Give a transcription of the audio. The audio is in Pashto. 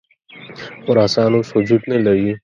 خراسان اوس وجود نه لري.